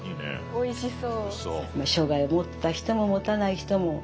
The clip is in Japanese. おいしそう。